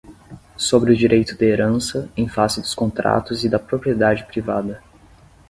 Sobre o Direito de Herança, em Face dos Contratos e da Propriedade Privada